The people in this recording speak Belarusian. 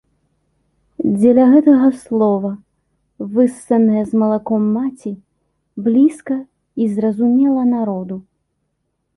Дзеля гэтага слова, выссанае з малаком маці, блізка і зразумела народу.